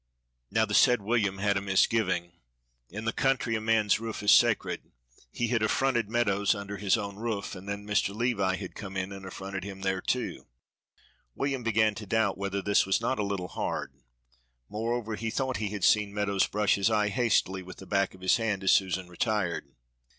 Now the said William had a misgiving; in the country a man's roof is sacred; he had affronted Meadows under his own roof, and then Mr. Levi had come and affronted him there, too. William began to doubt whether this was not a little hard, moreover he thought he had seen Meadows brush his eye hastily with the back of his hand as Susan retired.